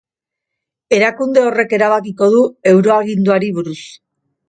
Erakunde horrek erabakiko du euroaginduari buruz.